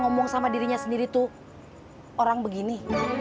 ngomong sama dirinya sendiri tuh orang begini